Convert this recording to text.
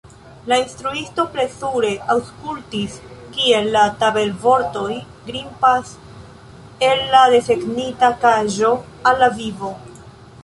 Instruisto plezure aŭskultis kiel la tabelvortoj grimpas el la desegnita kaĝo al la vivo.